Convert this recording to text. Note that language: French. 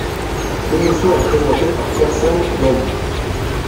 L'émission est présentée par Carson Daly.